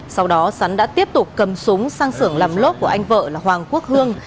sau đó sắn đã tiếp tục cầm súng sang sưởng lầm lốt của anh vợ là hoàng quốc hương